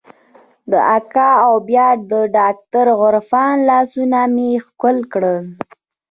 د اکا او بيا د ډاکتر عرفان لاسونه مې ښکل کړل.